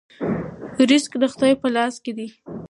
رزق د خدای په لاس کې دی.